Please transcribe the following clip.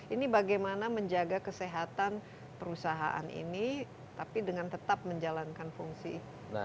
ini bagaimana menjaga kesehatan perusahaan ini tapi dengan tetap menjalankan fungsi